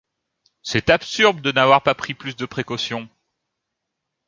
C'est absurde de n'avoir pas pris plus de précautions.